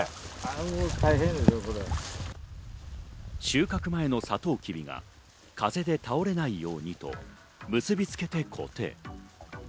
収穫前のサトウキビが風で倒れないように結び付けて固定。